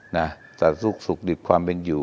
นะสรุปสกดิบความเป็นอยู่